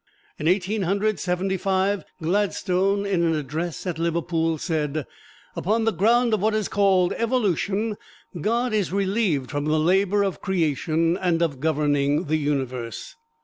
In Eighteen Hundred Seventy five, Gladstone in an address at Liverpool said, "Upon the ground of what is called evolution, God is relieved from the labor of creation and of governing the universe."